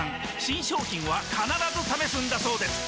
新商品は必ず試すんだそうです